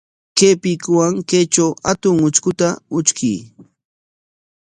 Kay piikuwan kaytraw hatun utrkuta utrkuy.